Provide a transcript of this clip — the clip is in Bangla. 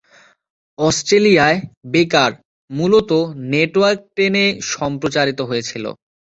অস্ট্রেলিয়ায়, "বেকার" মূলত নেটওয়ার্ক টেন-এ সম্প্রচারিত হয়েছিল।